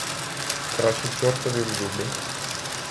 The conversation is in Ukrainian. Краще чортові в зуби.